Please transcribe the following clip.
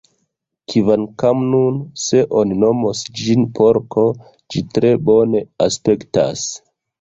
Kvankam nun, se oni nomos ĝin porko, ĝi tre bone aspektas.